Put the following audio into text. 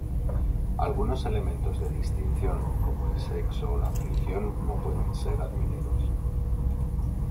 Algunos elementos de distinción como el sexo o la religión no pueden ser admitidos.